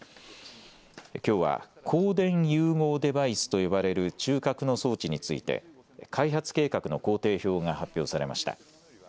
きょうは光電融合デバイスと呼ばれる中核の装置について開発計画の工程表が発表されました。